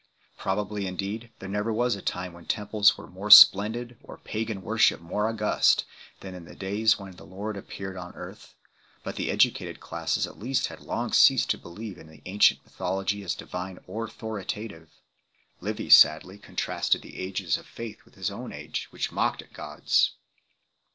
Probably indeed there never was a time when temples were more splendid or pagan worship more august than in the days when the Lord appeared on earth, but the educated classes at least had long ceased to believe in the ancient mythology as divine or authoritative. Livy 2 sadly contrasted the ages of faith with his own age, which mocked at gods.